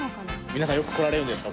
皆さんよく来られるんですか？